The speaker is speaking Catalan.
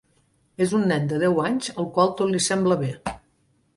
És un nen de deu anys al qual tot li sembla bé.